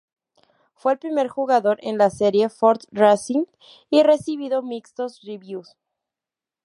Fue el primer juego en la serie "Ford Racing", y recibido mixtos reviews.